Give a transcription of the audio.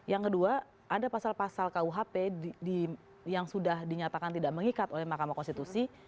yang kedua ada pasal pasal kuhp yang sudah dinyatakan tidak mengikat oleh mahkamah konstitusi